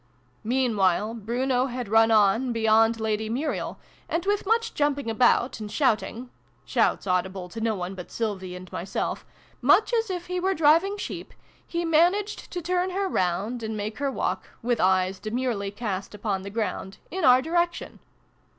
Meanwhile Bruno had run on beyond Lady Muriel, and, with much jumping about and shout ing (shouts audible to no one but Sylvie and myself), much as if he were driving sheep, he managed to turn her round and make her ill] STREAKS OF DAWN. 51 walk, with eyes demurely cast upon the ground, in our direction.